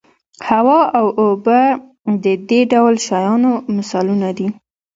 هوا او اوبه د دې ډول شیانو مثالونه دي.